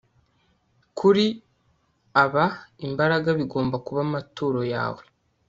Kuri aba imbaraga bigomba kuba amaturo yawe